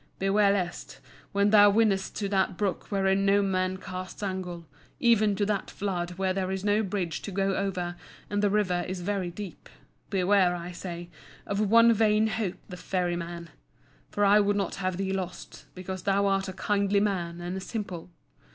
Beware lest, when thou winnest to that brook wherein no man casts angle, even to that flood where there is no bridge to go over and the River is very deep—beware, I say, of one Vain Hope, the Ferryman! For I would not have thee lost, because thou art a kindly man and a simple.